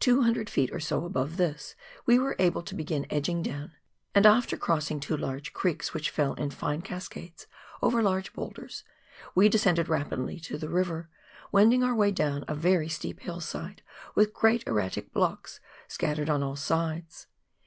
Two hundred feet or so above this we were able to begin edging down, and after crossing two large creeks which fell in fine cascades over large boulders, we descended rapidly to the river, wending our way down a very steep hillside with great erratic blocks scattered on all sides.